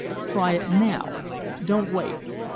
Try it now don't wait.